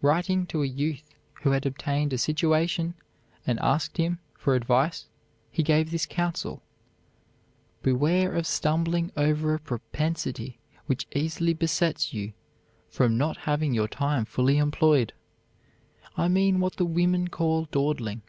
Writing to a youth who had obtained a situation and asked him for advice, he gave this counsel: "Beware of stumbling over a propensity which easily besets you from not having your time fully employed I mean what the women call dawdling.